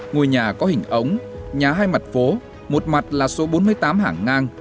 ngôi nhà có hình ống nhà hai mặt phố một mặt là số bốn mươi tám hàng ngang